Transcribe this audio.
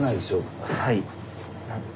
はい。